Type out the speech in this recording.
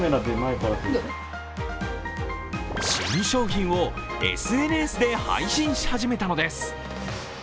新商品をＳＮＳで配信し始めたのです。